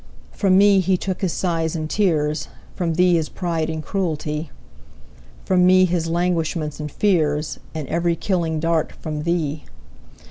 From me he took his sighs and tears, From thee his pride and cruelty; 10 From me his languishments and fears, And every killing dart from thee.